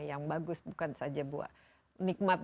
yang bagus bukan saja buat nikmat